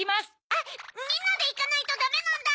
あっみんなでいかないとダメなんだ！